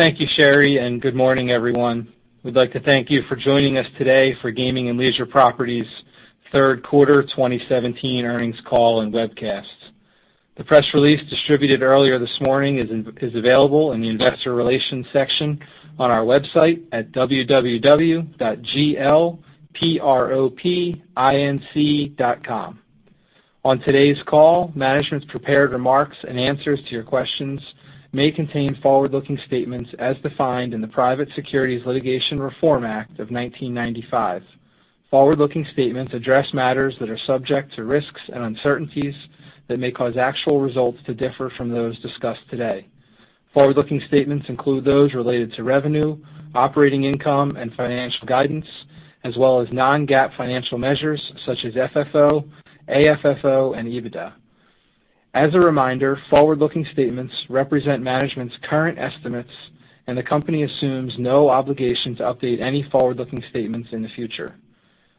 Thank you, Sherry, good morning, everyone. We'd like to thank you for joining us today for Gaming and Leisure Properties' third quarter 2017 earnings call and webcast. The press release distributed earlier this morning is available in the investor relations section on our website at www.glpropinc.com. On today's call, management's prepared remarks and answers to your questions may contain forward-looking statements as defined in the Private Securities Litigation Reform Act of 1995. Forward-looking statements address matters that are subject to risks and uncertainties that may cause actual results to differ from those discussed today. Forward-looking statements include those related to revenue, operating income, and financial guidance, as well as non-GAAP financial measures such as FFO, AFFO, and EBITDA. As a reminder, forward-looking statements represent management's current estimates, the company assumes no obligation to update any forward-looking statements in the future.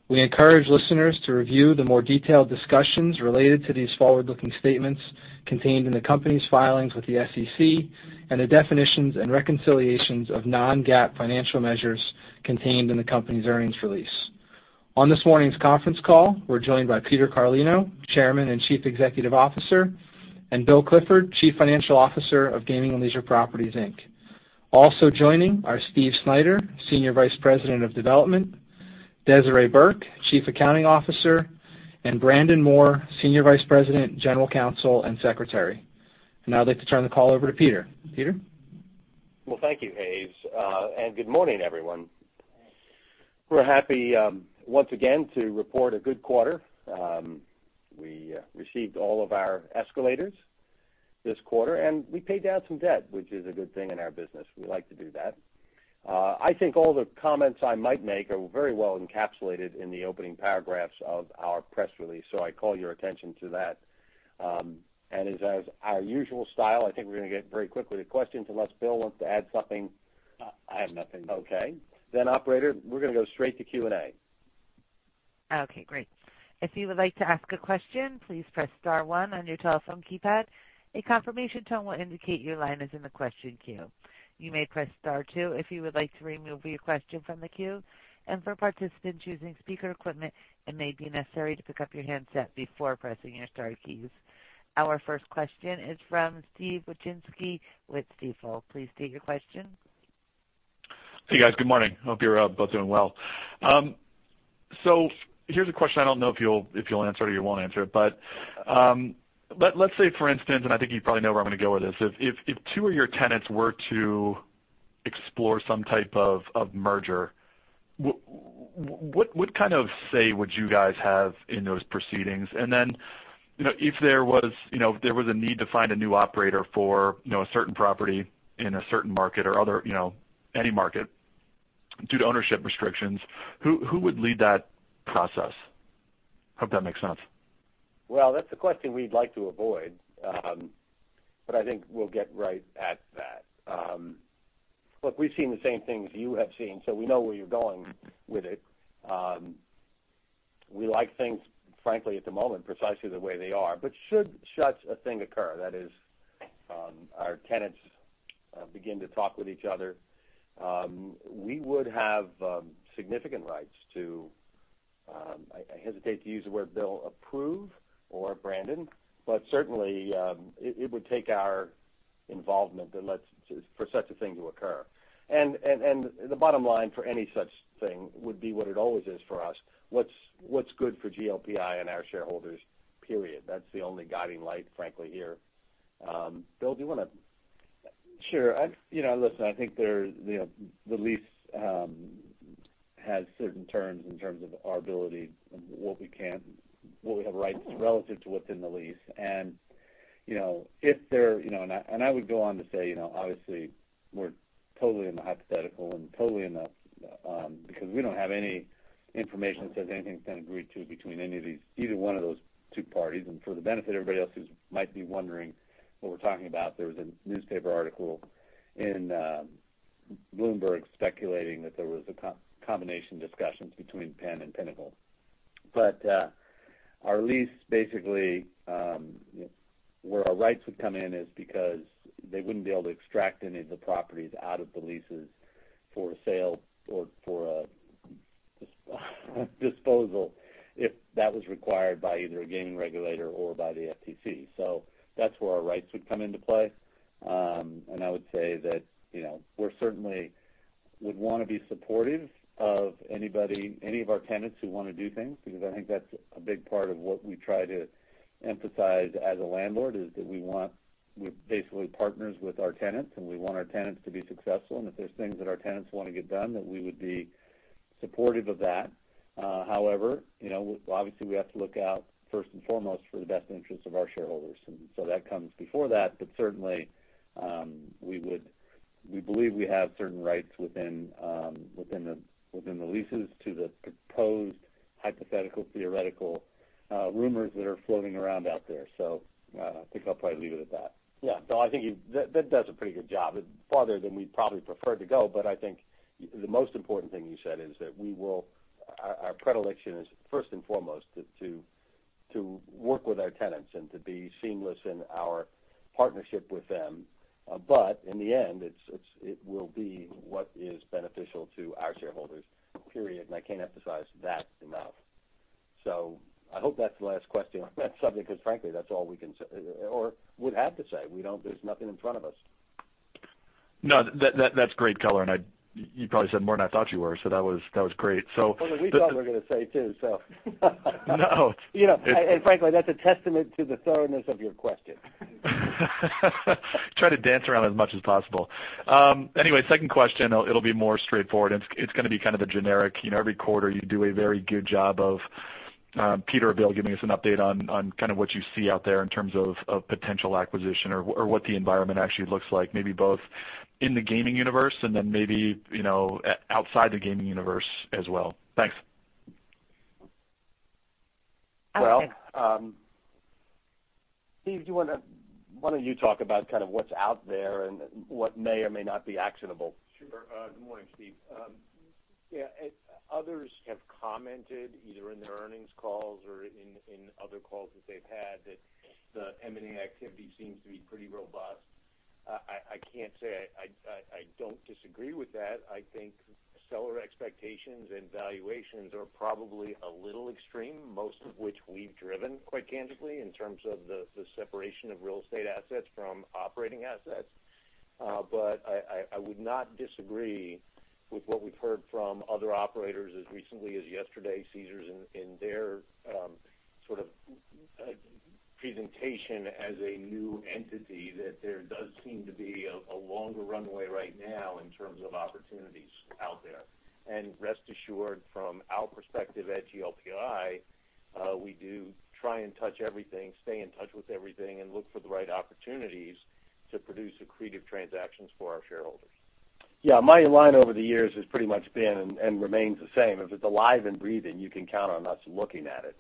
We encourage listeners to review the more detailed discussions related to these forward-looking statements contained in the company's filings with the SEC and the definitions and reconciliations of non-GAAP financial measures contained in the company's earnings release. On this morning's conference call, we're joined by Peter Carlino, Chairman and Chief Executive Officer, and Bill Clifford, Chief Financial Officer of Gaming and Leisure Properties, Inc. Also joining are Steve Snyder, Senior Vice President of Development, Desiree Burke, Chief Accounting Officer, and Brandon Moore, Senior Vice President, General Counsel, and Secretary. I'd like to turn the call over to Peter. Peter? Well, thank you, Hayes. Good morning, everyone. We're happy, once again, to report a good quarter. We received all of our escalations this quarter, we paid down some debt, which is a good thing in our business. We like to do that. I think all the comments I might make are very well encapsulated in the opening paragraphs of our press release, I call your attention to that. As our usual style, I think we're going to get very quickly to questions, unless Bill wants to add something. I have nothing. Okay. Operator, we're going to go straight to Q&A. Okay, great. If you would like to ask a question, please press star one on your telephone keypad. A confirmation tone will indicate your line is in the question queue. You may press star two if you would like to remove your question from the queue. For participants using speaker equipment, it may be necessary to pick up your handset before pressing your star keys. Our first question is from Steven Wieczynski with Stifel. Please state your question. Hey, guys. Good morning. Hope you're both doing well. Here's a question I don't know if you'll answer or you won't answer it. Let's say, for instance, I think you probably know where I'm going to go with this, if two of your tenants were to explore some type of merger, what kind of say would you guys have in those proceedings? Then, if there was a need to find a new operator for a certain property in a certain market or any market due to ownership restrictions, who would lead that process? Hope that makes sense. Well, that's a question we'd like to avoid, but I think we'll get right at that. Look, we've seen the same things you have seen, we know where you're going with it. We like things, frankly, at the moment, precisely the way they are. Should such a thing occur, that is, our tenants begin to talk with each other, we would have significant rights to, I hesitate to use the word, Bill, approve, or Brandon, but certainly, it would take our involvement for such a thing to occur. The bottom line for any such thing would be what it always is for us, what's good for GLPI and our shareholders, period. That's the only guiding light, frankly, here. Bill, do you want to? Sure. Listen, I think the lease has certain terms in terms of our ability and what we have rights relative to what's in the lease. I would go on to say, obviously, we're totally in the hypothetical and totally in the because we don't have any information that says anything's been agreed to between either one of those two parties. For the benefit of everybody else who might be wondering what we're talking about, there was a newspaper article in Bloomberg speculating that there was a combination discussions between Penn and Pinnacle. Our lease, basically, where our rights would come in is because they wouldn't be able to extract any of the properties out of the leases for a sale or for a disposal if that was required by either a gaming regulator or by the FTC. That's where our rights would come into play. I would say that we certainly would want to be supportive of any of our tenants who want to do things, because I think that's a big part of what we try to emphasize as a landlord is that we're basically partners with our tenants, and we want our tenants to be successful. If there's things that our tenants want to get done, that we would be supportive of that. However, obviously, we have to look out first and foremost for the best interests of our shareholders. That comes before that, but certainly, we believe we have certain rights within the leases to the proposed hypothetical, theoretical rumors that are floating around out there. I think I'll probably leave it at that. No, I think that does a pretty good job. It's farther than we'd probably prefer to go, but I think the most important thing you said is that our predilection is first and foremost to work with our tenants and to be seamless in our partnership with them. In the end, it will be what is beneficial to our shareholders, period, I can't emphasize that enough. I hope that's the last question on that subject, because frankly, that's all we can say or would have to say. There's nothing in front of us. No, that's great color. You probably said more than I thought you were, that was great. Well, that's what we thought we were going to say, too. No. Frankly, that's a testament to the thoroughness of your question. Try to dance around as much as possible. Anyway, second question. It'll be more straightforward. It's going to be kind of a generic. Every quarter you do a very good job of Peter or Bill giving us an update on kind of what you see out there in terms of potential acquisition or what the environment actually looks like, maybe both in the gaming universe and then maybe outside the gaming universe as well. Thanks. Well, Steve, why don't you talk about what's out there and what may or may not be actionable. Sure. Good morning, Steve. Others have commented, either in their earnings calls or in other calls that they've had, that the M&A activity seems to be pretty robust. I can't say I don't disagree with that. I think seller expectations and valuations are probably a little extreme, most of which we've driven, quite candidly, in terms of the separation of real estate assets from operating assets. I would not disagree with what we've heard from other operators as recently as yesterday, Caesars, in their sort of presentation as a new entity, that there does seem to be a longer runway right now in terms of opportunities out there. Rest assured, from our perspective at GLPI, we do try and touch everything, stay in touch with everything, and look for the right opportunities to produce accretive transactions for our shareholders. Yeah. My line over the years has pretty much been, remains the same. If it's alive and breathing, you can count on us looking at it.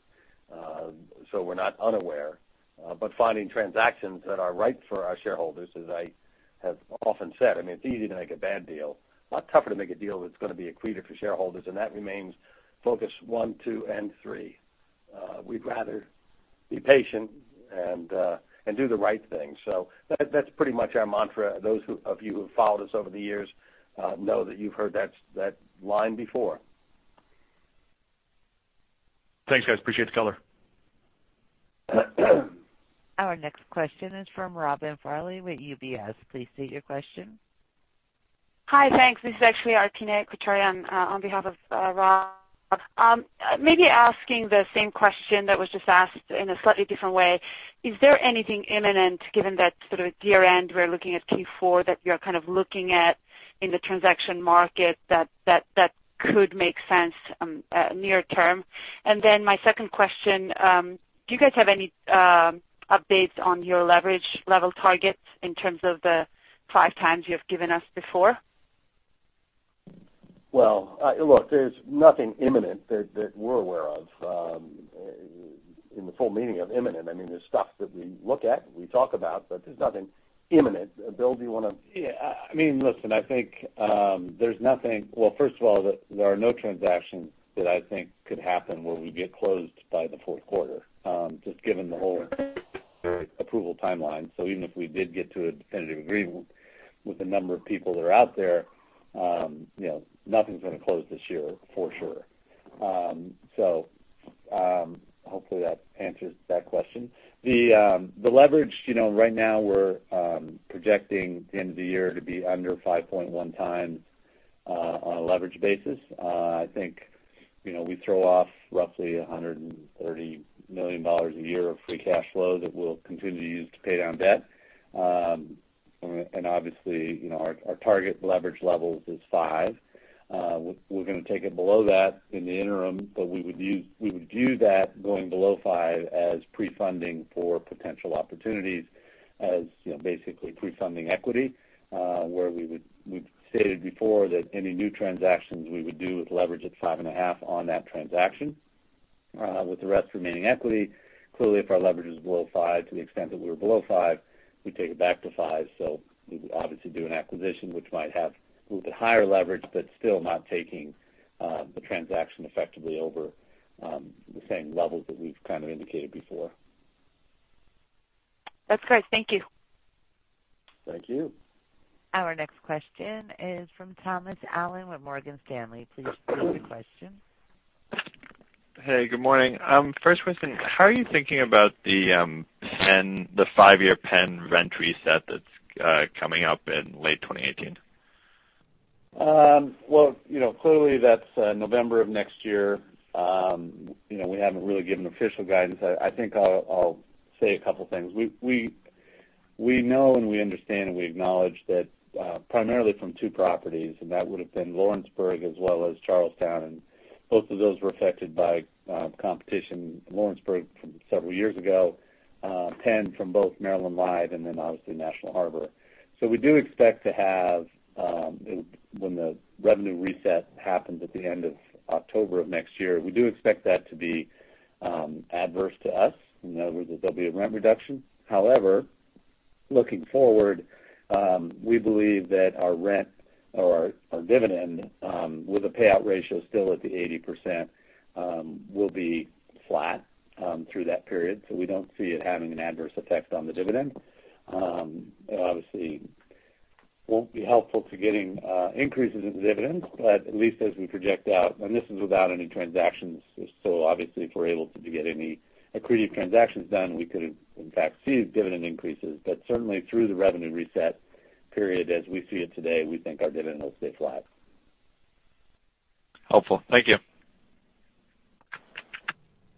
We're not unaware. Finding transactions that are right for our shareholders, as I have often said, it's easy to make a bad deal, a lot tougher to make a deal that's going to be accretive for shareholders, and that remains focus one, two, and three. We'd rather be patient and do the right thing. That's pretty much our mantra. Those of you who have followed us over the years know that you've heard that line before. Thanks, guys. Appreciate the color. Our next question is from Robin Farley with UBS. Please state your question. Hi. Thanks. This is actually Arpine Krikorian on behalf of Rob. Maybe asking the same question that was just asked in a slightly different way. Is there anything imminent, given that sort of year-end, we're looking at Q4, that you're kind of looking at in the transaction market that could make sense near term? And then my second question, do you guys have any updates on your leverage level targets in terms of the five times you have given us before? Look, there's nothing imminent that we're aware of in the full meaning of imminent. There's stuff that we look at, we talk about, but there's nothing imminent. Bill, do you want to- Listen, I think there's first of all, there are no transactions that I think could happen where we get closed by the fourth quarter, just given the whole approval timeline. Even if we did get to a definitive agreement with a number of people that are out there, nothing's going to close this year for sure. Hopefully that answers that question. The leverage, right now we're projecting the end of the year to be under 5.1 times on a leverage basis. I think we throw off roughly $130 million a year of free cash flow that we'll continue to use to pay down debt. Obviously, our target leverage level is five. We're going to take it below that in the interim, we would view that going below five as pre-funding for potential opportunities as basically pre-funding equity, where we've stated before that any new transactions we would do with leverage at five and a half on that transaction, with the rest remaining equity. Clearly, if our leverage is below five, to the extent that we're below five, we take it back to five. We would obviously do an acquisition which might have a little bit higher leverage, but still not taking the transaction effectively over the same levels that we've kind of indicated before. That's great. Thank you. Thank you. Our next question is from Thomas Allen with Morgan Stanley. Please state your question. Hey, good morning. First question, how are you thinking about the five-year Penn rent reset that's coming up in late 2018? Well, clearly, that's November of next year. We haven't really given official guidance. I think I'll say a couple things. We know and we understand and we acknowledge that primarily from two properties, and that would've been Lawrenceburg as well as Charles Town, and both of those were affected by competition, Lawrenceburg several years ago, Penn from both Maryland Live and then obviously National Harbor. When the revenue reset happens at the end of October of next year, we do expect that to be adverse to us. In other words, there'll be a rent reduction. However, looking forward, we believe that our rent or our dividend, with the payout ratio still at the 80%, will be flat through that period. We don't see it having an adverse effect on the dividend. Obviously, won't be helpful to getting increases in dividends, at least as we project out, and this is without any transactions, obviously, if we're able to get any accretive transactions done, we could, in fact, see dividend increases. Certainly, through the revenue reset period, as we see it today, we think our dividend will stay flat. Helpful. Thank you.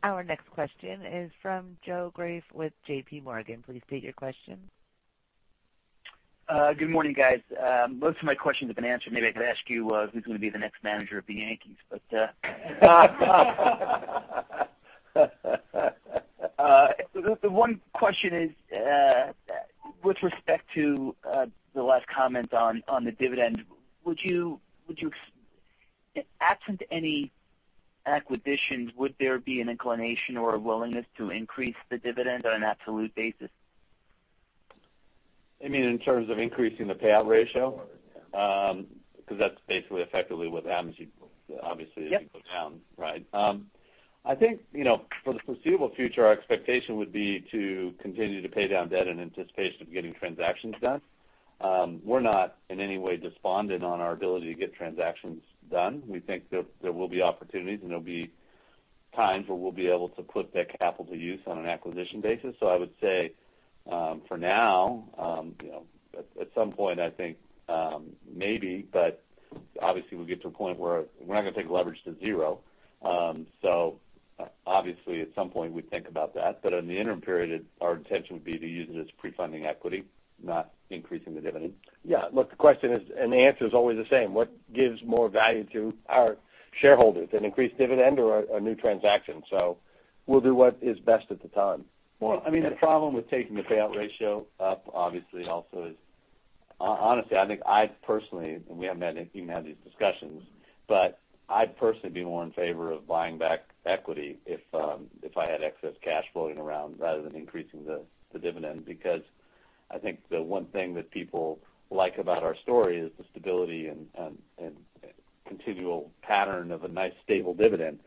Our next question is from Joe Greff with JPMorgan. Please state your question. Good morning, guys. Most of my questions have been answered. Maybe I could ask you who's going to be the next manager of the Yankees. The one question is, with respect to the last comment on the dividend, absent any acquisitions, would there be an inclination or a willingness to increase the dividend on an absolute basis? You mean in terms of increasing the payout ratio? Yeah. That's basically effectively what happens, obviously, as you go down. Yep. Right. I think, for the foreseeable future, our expectation would be to continue to pay down debt in anticipation of getting transactions done. We're not in any way despondent on our ability to get transactions done. We think there will be opportunities, and there'll be times where we'll be able to put that capital to use on an acquisition basis. I would say, for now, at some point, I think, maybe, but obviously, we'll get to a point where we're not going to take leverage to zero. Obviously, at some point, we'd think about that. In the interim period, our intention would be to use it as pre-funding equity, not increasing the dividend. The question is, the answer's always the same. What gives more value to our shareholders, an increased dividend or a new transaction? We'll do what is best at the time. Well, the problem with taking the payout ratio up, obviously, also is, honestly, I think I personally, we haven't even had these discussions, but I'd personally be more in favor of buying back equity if I had excess cash floating around rather than increasing the dividend. I think the one thing that people like about our story is the stability and continual pattern of a nice, stable dividend.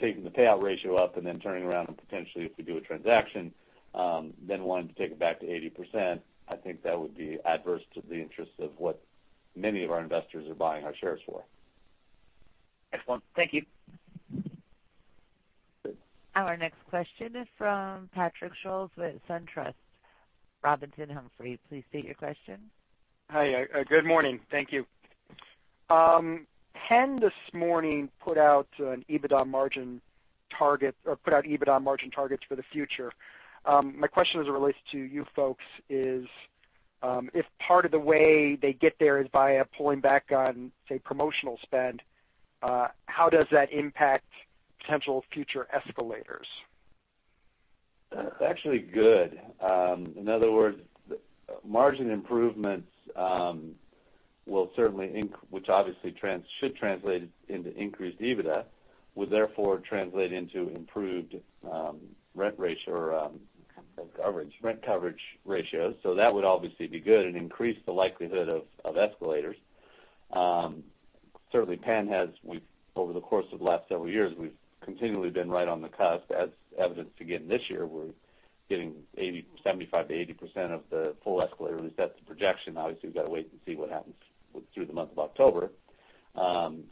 Taking the payout ratio up and turning around and potentially if we do a transaction, wanting to take it back to 80%, I think that would be adverse to the interest of what many of our investors are buying our shares for. Excellent. Thank you. Our next question is from Patrick Scholes with SunTrust Robinson Humphrey. Please state your question. Hi, good morning. Thank you. Penn this morning put out an EBITDA margin target or put out EBITDA margin targets for the future. My question as it relates to you folks is, if part of the way they get there is by pulling back on, say, promotional spend, how does that impact potential future escalators? It's actually good. In other words, margin improvements, which obviously should translate into increased EBITDA, would therefore translate into improved rent ratio. Coverage Rent coverage ratios. That would obviously be good and increase the likelihood of escalators. Certainly, Penn has, over the course of the last several years, we've continually been right on the cusp. As evidenced again this year, we're getting 75%-80% of the full escalator reset to projection. Obviously, we've got to wait and see what happens through the month of October.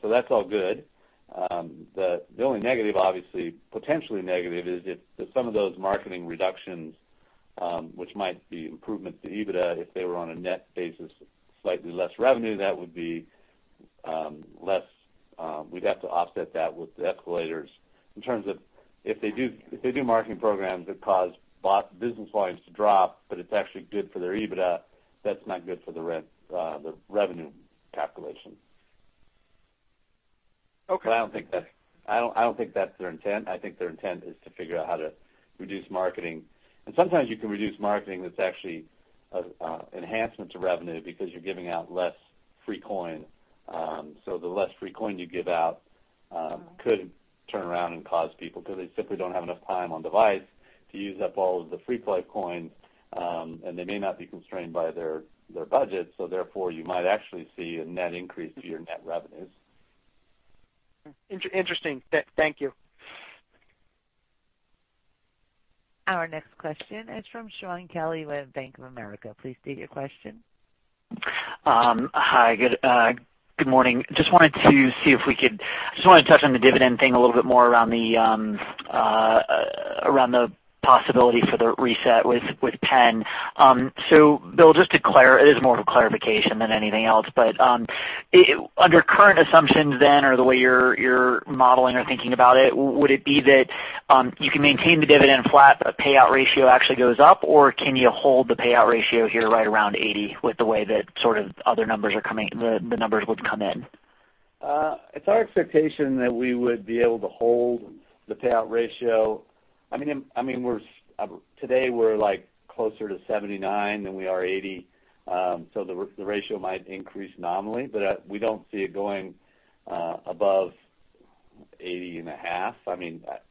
That's all good. The only negative, obviously, potentially negative, is if some of those marketing reductions, which might be improvements to EBITDA, if they were on a net basis, slightly less revenue, we'd have to offset that with the escalators. In terms of if they do marketing programs that cause business volumes to drop, but it's actually good for their EBITDA, that's not good for the revenue calculation. Okay. I don't think that's their intent. I think their intent is to figure out how to reduce marketing. Sometimes you can reduce marketing that's actually an enhancement to revenue because you're giving out less free coins. The less free coins you give out could turn around and cause people, because they simply don't have enough time on device to use up all of the free play coins, and they may not be constrained by their budget, therefore, you might actually see a net increase to your net revenues. Interesting. Thank you. Our next question is from Shaun Kelley with Bank of America. Please state your question. Hi, good morning. Just wanted to touch on the dividend thing a little bit more around the possibility for the reset with Penn. Bill, it is more of a clarification than anything else, but under current assumptions, or the way you're modeling or thinking about it, would it be that you can maintain the dividend flat, payout ratio actually goes up, or can you hold the payout ratio here right around 80 with the way that the numbers would come in? It's our expectation that we would be able to hold the payout ratio. Today, we're closer to 79 than we are 80, the ratio might increase nominally, but we don't see it going above 80.5.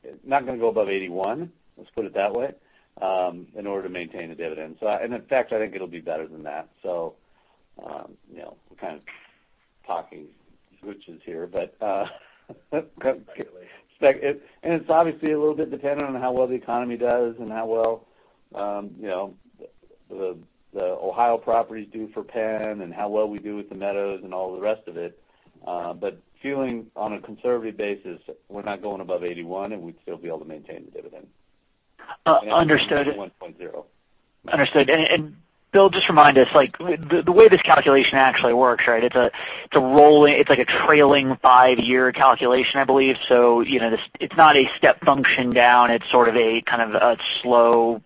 It's not going above 81, let's put it that way, in order to maintain the dividend. In fact, I think it'll be better than that. We're kind of talking switches here, but and it's obviously a little bit dependent on how well the economy does and how well the Ohio properties do for Penn and how well we do with the Meadows and all the rest of it. Feeling, on a conservative basis, we're not going above 81, and we'd still be able to maintain the dividend. Understood. 1.0. Understood. Bill, just remind us, the way this calculation actually works, it's like a trailing five-year calculation, I believe. It's not a step function down. It's sort of a slow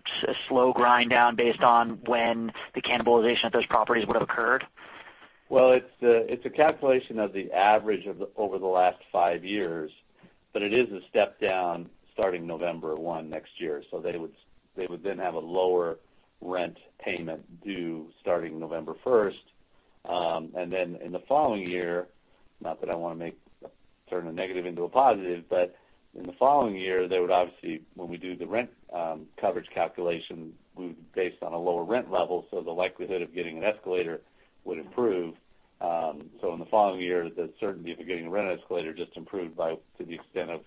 grind down based on when the cannibalization of those properties would have occurred? It's a calculation of the average over the last five years, it is a step down starting November 1 next year. They would then have a lower rent payment due starting November 1st. In the following year, not that I want to turn a negative into a positive, in the following year, they would obviously, when we do the rent coverage calculation, based on a lower rent level, the likelihood of getting an escalator would improve. In the following year, the certainty of getting a rent escalator just improved to the extent of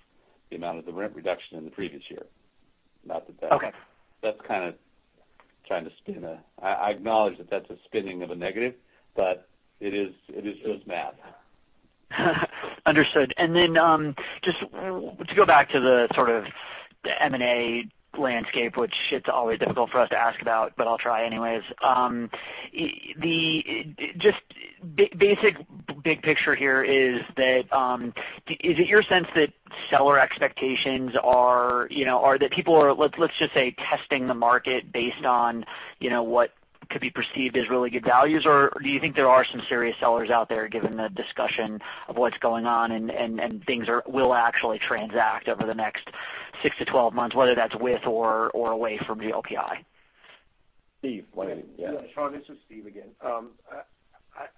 the amount of the rent reduction in the previous year. Okay. I acknowledge that that's a spinning of a negative, it is math. Understood. To go back to the sort of M&A landscape, which it's always difficult for us to ask about, I'll try anyways. Just basic big picture here is that, is it your sense that seller expectations are that people are, let's just say, testing the market based on what could be perceived as really good values? Do you think there are some serious sellers out there, given the discussion of what's going on, and things will actually transact over the next six to 12 months, whether that's with or away from GLPI? Steve, why don't you? Yeah. Yeah. Shaun, this is Steve again.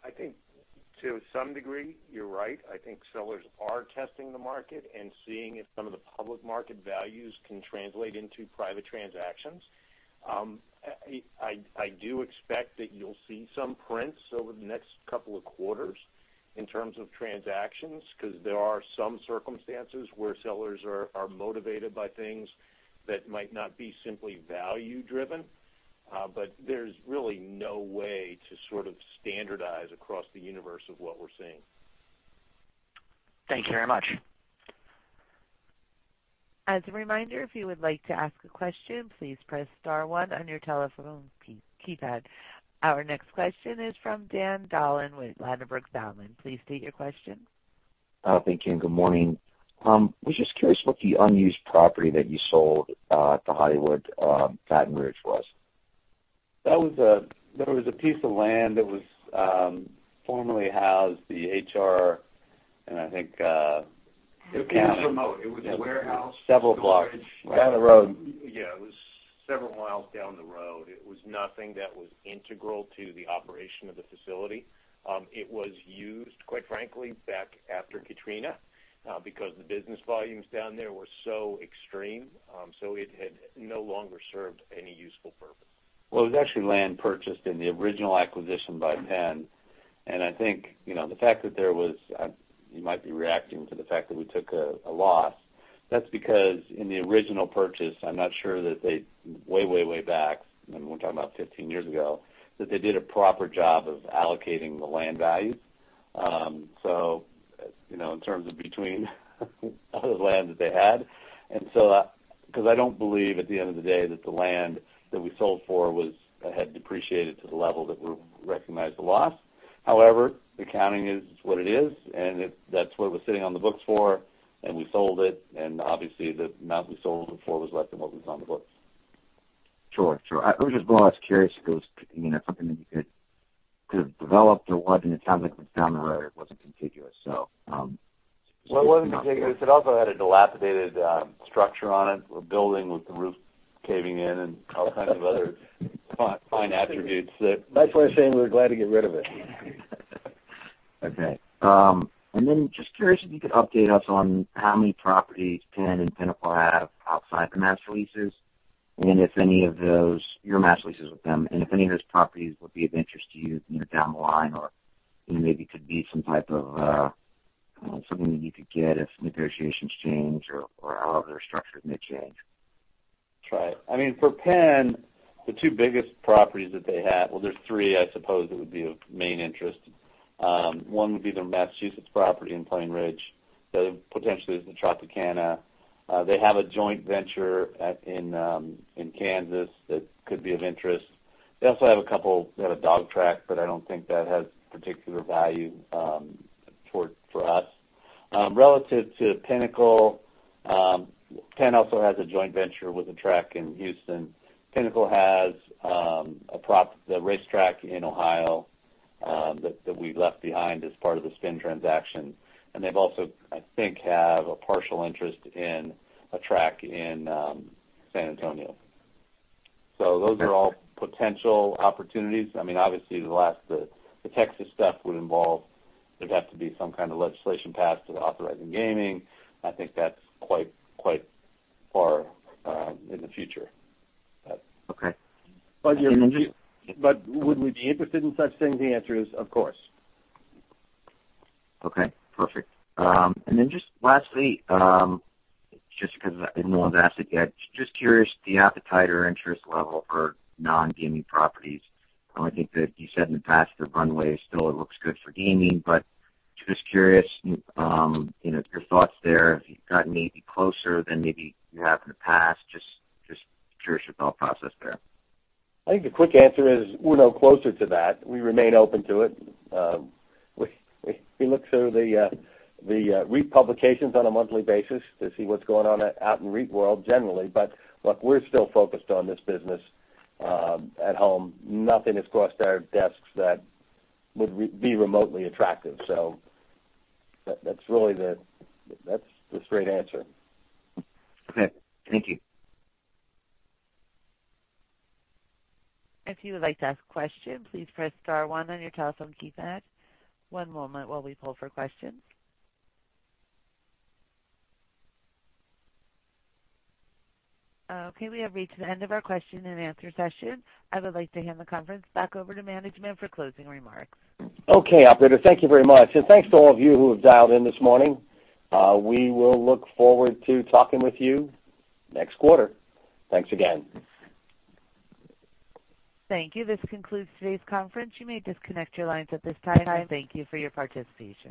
I think to some degree, you're right. I think sellers are testing the market and seeing if some of the public market values can translate into private transactions. I do expect that you'll see some prints over the next couple of quarters in terms of transactions because there are some circumstances where sellers are motivated by things that might not be simply value-driven. There's really no way to sort of standardize across the universe of what we're seeing. Thank you very much. As a reminder, if you would like to ask a question, please press star one on your telephone keypad. Our next question is from Dan Dolan with Ladenburg Thalmann. Please state your question. Thank you, and good morning. Was just curious what the unused property that you sold at the Hollywood Plainridge was. There was a piece of land that formerly housed the HR. It was remote. It was a warehouse. Several blocks down the road. Yeah, it was several miles down the road. It was nothing that was integral to the operation of the facility. It was used, quite frankly, back after Katrina, because the business volumes down there were so extreme. It had no longer served any useful purpose. Well, it was actually land purchased in the original acquisition by Penn. You might be reacting to the fact that we took a loss. That's because in the original purchase, I'm not sure that they, way back, and we're talking about 15 years ago, that they did a proper job of allocating the land value. In terms of between other land that they had. I don't believe at the end of the day that the land that we sold for had depreciated to the level that we recognized the loss. Accounting is what it is, and that's what it was sitting on the books for, and we sold it, and obviously, the amount we sold it for was less than what was on the books. Sure. I was just more or less curious if it was something that you could have developed or what. It sounds like it was down the road. It wasn't contiguous. Well, it wasn't contiguous. It also had a dilapidated structure on it, a building with the roof caving in and all kinds of other fine attributes. Nice way of saying we're glad to get rid of it. Okay. Then just curious if you could update us on how many properties Penn and Pinnacle have outside the master leases, and if any of those, your master leases with them, and if any of those properties would be of interest to you down the line or maybe could be something that you could get if negotiations change or how their structured may change. That's right. For Penn, the two biggest properties that they have, well, there's three, I suppose, that would be of main interest. One would be their Massachusetts property in Plainridge, potentially the Tropicana. They have a joint venture in Kansas that could be of interest. They also have a couple. They have a dog track, but I don't think that has particular value for us. Relative to Pinnacle, Penn also has a joint venture with a track in Houston. Pinnacle has the racetrack in Ohio that we left behind as part of the spin transaction. They also, I think, have a partial interest in a track in San Antonio. Those are all potential opportunities. Obviously, the Texas stuff would involve, there'd have to be some kind of legislation passed to authorize any gaming. I think that's quite far in the future. Okay. Would we be interested in such things? The answer is, of course. Okay, perfect. Just lastly, just because no one's asked it yet, just curious the appetite or interest level for non-gaming properties. I think that you said in the past the runway still looks good for gaming, just curious your thoughts there, if you've gotten maybe closer than maybe you have in the past. Just curious your thought process there. I think the quick answer is we're no closer to that. We remain open to it. We look through the REIT publications on a monthly basis to see what's going on out in REIT world generally. Look, we're still focused on this business at home. Nothing has crossed our desks that would be remotely attractive. That's really the straight answer. Okay. Thank you. If you would like to ask a question, please press star one on your telephone keypad. One moment while we poll for questions. Okay, we have reached the end of our question and answer session. I would like to hand the conference back over to management for closing remarks. Okay, operator, thank you very much. Thanks to all of you who have dialed in this morning. We will look forward to talking with you next quarter. Thanks again. Thank you. This concludes today's conference. You may disconnect your lines at this time. Thank you for your participation.